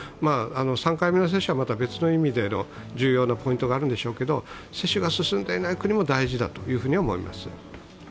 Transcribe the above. ３回目の接種はまた別の意味での重要性があるんでしょうけど接種が進んでいない国も大事だと思います。